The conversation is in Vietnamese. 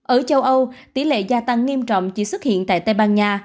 ở châu âu tỷ lệ gia tăng nghiêm trọng chỉ xuất hiện tại tây ban nha